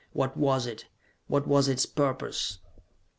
What was it? What was its purpose?